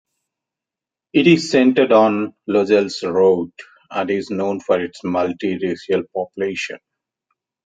It is centred on Lozells Road, and is known for its multi-racial population.